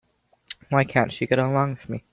Why can't she get along with me?